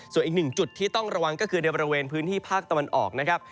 ส่วนอีกหนึ่งจุดที่ต้องระวังก็คือในบริเวณพื้นที่ภาคตะวันออกนะครับ